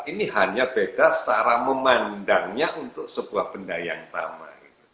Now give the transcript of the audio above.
ini hanya beda cara memandangnya untuk sebuah benda yang sama